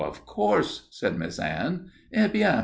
"Of course," said Miss Anne. "_Eh bien!